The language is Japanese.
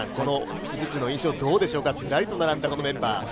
富士通の印象はどうでしょうか、ズラリと並んだこのメンバー。